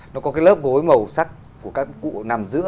nó có cái lớp gối màu sắc của các cụ